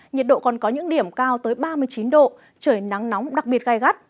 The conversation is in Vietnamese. nhiệt độ còn có những điểm cao tới ba mươi chín độ trời nắng nóng đặc biệt gai gắt